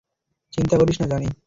চিন্তা করিস না, জানি!